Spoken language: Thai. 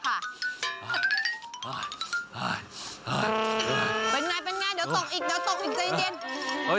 เป็นยังไงเดี๋ยวตกอีกใจเย็น